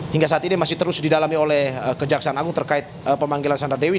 hingga saat ini masih terus didalami oleh kejaksaan agung terkait pemanggilan sandra dewi